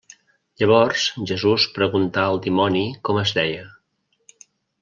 Llavors Jesús preguntà al dimoni com es deia.